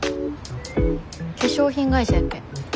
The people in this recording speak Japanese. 化粧品会社やっけ？